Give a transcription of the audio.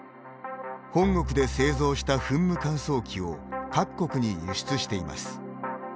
本国で製造した噴霧乾燥機を各国に輸出しています。